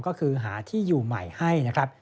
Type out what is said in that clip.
ก็คือหาที่อยู่ใหม่ให้นะครับ